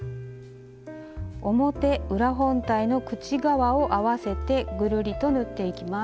表・裏本体の口側を合わせてぐるりと縫っていきます。